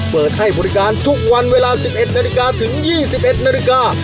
เปิดให้บริการทุกวันเวลา๑๑นาฬิกาถึง๒๑นาฬิกา